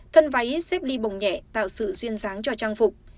thân váy xếp ly bồng nhẹ tạo sự duyên dáng cho trang phục